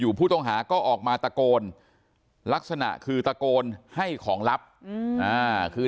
ผู้ต้องหาก็ออกมาตะโกนลักษณะคือตะโกนให้ของลับคือ